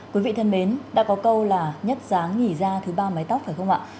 quý vị thân mến đã có câu là nhất giá nghỉ da thứ ba mái tóc phải không ạ